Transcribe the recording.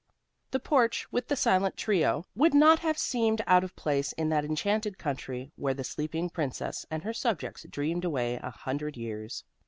The porch with the silent trio would not have seemed out of place in that enchanted country where the sleeping princess and her subjects dreamed away a hundred years.